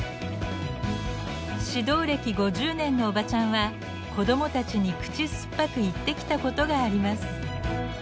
指導歴５０年のおばちゃんは子供たちに口酸っぱく言ってきたことがあります。